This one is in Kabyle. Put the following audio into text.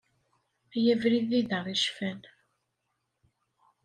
Ay abrid i d aɣ-icfan.